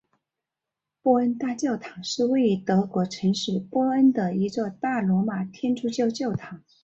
波恩大教堂是位于德国城市波恩的一座罗马天主教教堂。